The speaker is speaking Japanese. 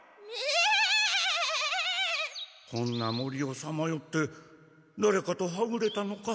こんな森をさまよってだれかとはぐれたのか？